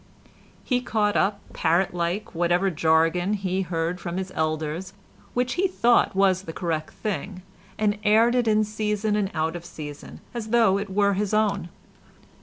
He caught up, parrot like, whatever jargon he heard from his elders, which he thought was the correct thing, and aired it in season and out of season, as though it were his own.